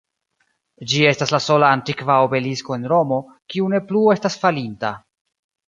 Ĝi estas la sola antikva obelisko en Romo, kiu ne plu estas falinta.